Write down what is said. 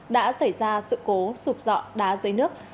đã xảy ra sự cố sụp dọa đá dưới nước